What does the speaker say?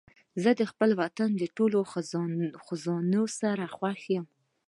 زه خپل وطن د ټولو خزانې سره خوښ یم.